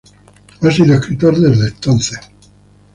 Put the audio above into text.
Ha sido escritor desde entonces.